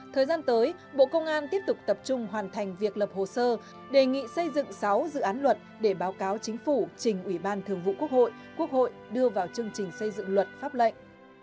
thời gian tới bộ công an tiếp tục tập trung hoàn thành việc lập hồ sơ đề nghị xây dựng sáu dự án luật để báo cáo chính phủ trình ủy ban thường vụ quốc hội quốc hội đưa vào chương trình xây dựng luật pháp lệnh